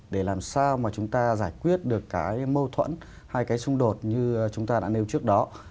để làm sao mà chúng ta giải quyết được cái mâu thuẫn hay cái xung đột như chúng ta đã nêu trước đó